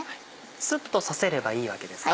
スッと刺せればいいわけですか？